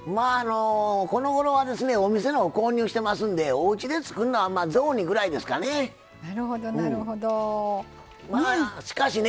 このごろはお店のを購入してますのでおうちで作るのは雑煮ぐらいですかね。